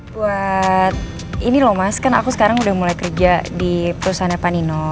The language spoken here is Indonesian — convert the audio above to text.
buat ini loh mas kan aku sekarang udah mulai kerja di perusahaan pak nino